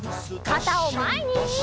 かたをまえに！